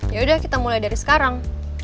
ya udah kita mulai dari sekarang